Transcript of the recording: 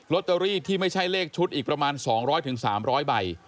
ตเตอรี่ที่ไม่ใช่เลขชุดอีกประมาณ๒๐๐๓๐๐ใบ